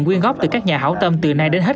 quyên góp từ các nhà hảo tâm từ nay đến hết